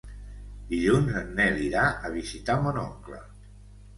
Dilluns en Nel irà a visitar mon oncle.